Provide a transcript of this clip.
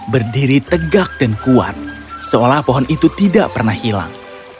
berdiri tegak dan kuat seolah pohon itu tidak pernah hilang